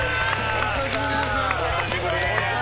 お久しぶりです。